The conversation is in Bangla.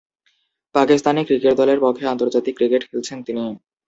পাকিস্তান ক্রিকেট দলের পক্ষে আন্তর্জাতিক ক্রিকেট খেলছেন তিনি।